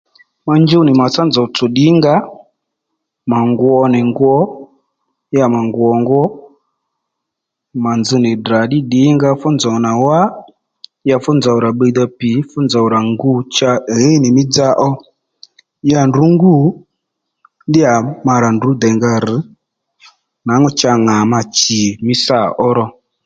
Ma njúw nì màtsá nzòw tsò ddìnga ó mà ngwo nì ngwo ya mà ngwo ngwo mà nzz nì Ddrà ddí dìnga ó fú nzòw nà wá ya fú nzòw rà bbiydha pwǐy fú nzòw rà ngu cha ì ɦíy nì mí dza ó ya ndrǔ ngû ddíyà ma rà ndrǔ dè nga rr̀ nwǎŋú cha ŋà ma chì mí sâ ó ro